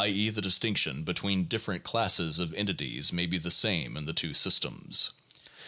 e., the distinction between different classes of entities may be the same in the two systems.